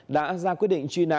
đã ra quyết định truy nã